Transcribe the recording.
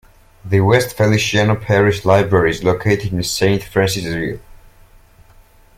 The West Feliciana Parish Library is located in Saint Francisville.